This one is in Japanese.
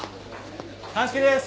鑑識です。